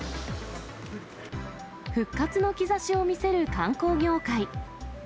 復活の兆しを見せる観光業界。